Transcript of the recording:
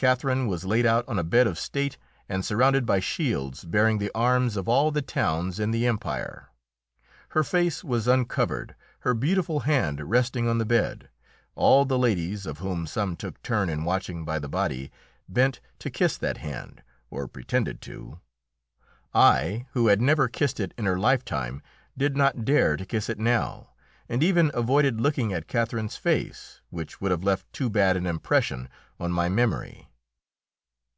Catherine was laid out on a bed of state and surrounded by shields bearing the arms of all the towns in the empire. Her face was uncovered, her beautiful hand resting on the bed. All the ladies of whom some took turn in watching by the body bent to kiss that hand, or pretended to. I, who had never kissed it in her lifetime, did not dare to kiss it now, and even avoided looking at Catherine's face, which would have left too bad an impression on my memory.